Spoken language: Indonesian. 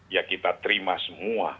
ya kita terima semua